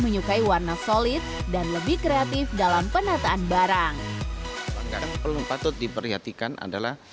menyukai warna solid dan lebih kreatif dalam penataan barang betul betul diperhatikan adalah